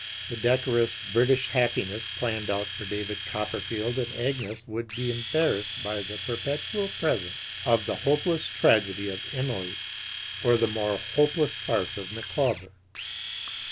The decorous British happiness planned out for David Copperfield and Agnes would be embarrassed by the perpetual presence of the hopeless tragedy of Emily, or the more hopeless farce of Micawber.